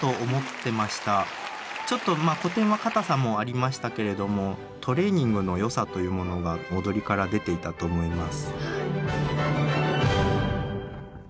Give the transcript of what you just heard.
ちょっとまあ古典はかたさもありましたけれどもトレーニングの良さというものが踊りから出ていたと思います。